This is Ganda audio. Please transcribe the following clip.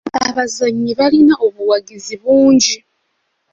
Abazannyi balina obuwagizi bungi.